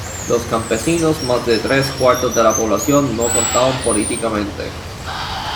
Los campesinos, más de tres cuartos de la población, no contaban políticamente.